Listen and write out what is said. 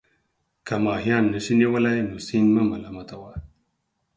که ماهيان نسې نيولى، نو سيند مه ملامت وه.